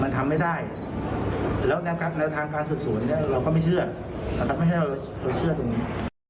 มันทำไม่ได้แล้วทางการส่วนเราก็ไม่เชื่อไม่ให้เราเชื่อตรงนี้